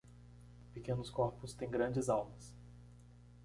Pequenos corpos têm grandes almas.